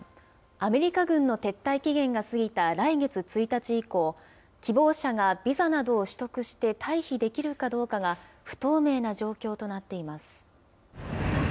アメリカ軍の撤退期限が過ぎた来月１日以降、希望者がビザなどを取得して、退避できるかどうかが不透明な状況となっています。